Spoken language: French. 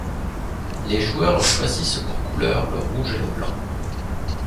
Les joueurs choisissent pour couleurs le rouge et le blanc.